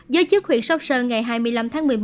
giới chức huyện sóc sơn ngày hai mươi năm tháng một mươi một